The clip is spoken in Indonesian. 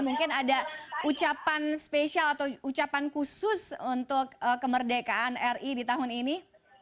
mungkin ada ucapan spesial atau ucapan khusus untuk kemerdekaan ri di tahun ini